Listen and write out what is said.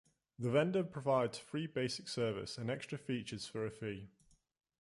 The vendor provides free basic service, and extra features for a fee.